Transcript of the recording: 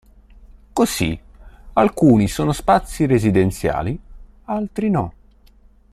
Così, alcuni sono spazi residenziali, altri no.